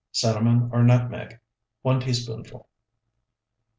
Cinnamon or nutmeg, 1 teaspoonful.